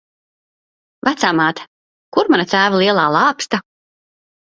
Vecāmāte, kur mana tēva lielā lāpsta?